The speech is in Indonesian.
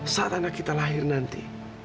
saat anak kita lahir nanti